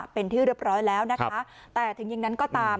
เป็นที่เรียบร้อยแล้วนะคะแต่ถึงอย่างนั้นก็ตาม